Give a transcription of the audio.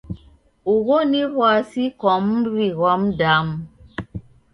Ugho ni w'asi kwa muw'I ghwa mdamu.